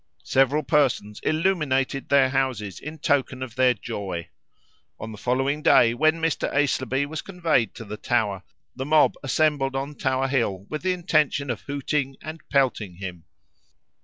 Several persons illuminated their houses in token of their joy. On the following day, when Mr. Aislabie was conveyed to the Tower, the mob assembled on Tower hill with the intention of hooting and pelting him.